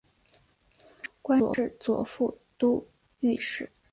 官至左副都御史。